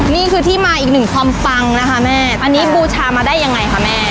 นี่คือที่มาอีกหนึ่งความปังนะคะแม่อันนี้บูชามาได้ยังไงคะแม่